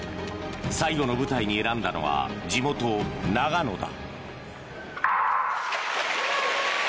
最後の舞台に選んだのは地元・長野だ。